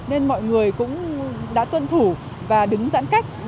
nên mọi người cũng đã tuân thủ và đứng giãn cách